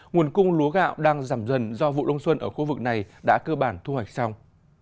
nguồn cung lúa gạo đang giảm dần do vụ lông xuân ở khu vực này đã cơ bản thu hoạch xong